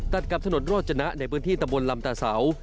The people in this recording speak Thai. ตัดกับถนนโรจนะในพื้นที่ตำบลลำตาเสา